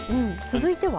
続いては？